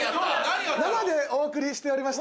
生でお送りしておりまして。